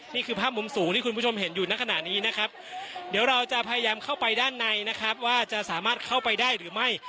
นี่คือภาพมุมสูงที่คุณผู้ชมเห็นอยู่ในขณะนี้นะครับเดี๋ยวเราจะพยายามเข้าไปด้านในนะครับว่าจะสามารถเข้าไปได้หรือไม่